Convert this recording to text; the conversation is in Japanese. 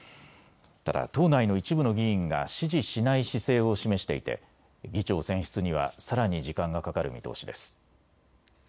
ただ党内の一部の議員が支持しない姿勢を示していて議長選出にはさらに時間がかかる見通しです。